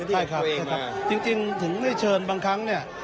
ใช่ครับจริงถึงได้เชิญบางครั้งเนี่ย